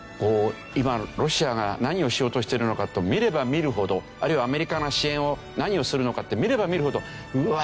今ロシアが何をしようとしているのかと見れば見るほどあるいはアメリカが支援を何をするのかって見れば見るほどうわ